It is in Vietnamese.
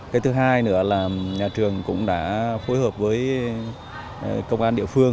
cái thứ hai nữa là nhà trường cũng đã phối hợp với công an địa phương